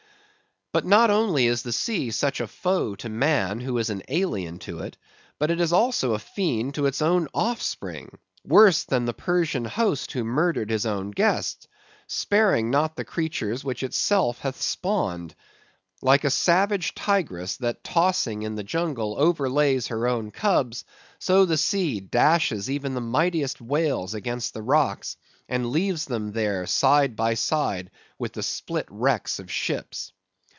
But not only is the sea such a foe to man who is an alien to it, but it is also a fiend to its own off spring; worse than the Persian host who murdered his own guests; sparing not the creatures which itself hath spawned. Like a savage tigress that tossing in the jungle overlays her own cubs, so the sea dashes even the mightiest whales against the rocks, and leaves them there side by side with the split wrecks of ships.